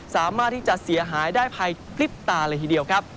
สามารถที่จะเสียหายได้ภายพลิบตาเลยทีเดียวครับ